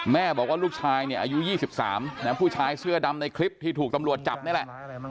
แม่บอกว่าลูกชายเนี่ยอายุ๒๓ผู้ชายเสื้อดำในคลิปที่ถูกตำรวจจับนี่แหละ